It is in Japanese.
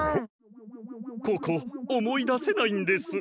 ここおもいだせないんです。